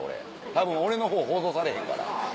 たぶん俺の方放送されへんから。